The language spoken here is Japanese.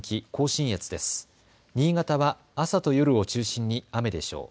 新潟は朝と夜を中心に雨でしょう。